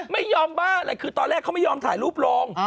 ไม่ยอมบ้าอะไรคือตอนแรกเขาไม่ยอมถ่ายรูปลง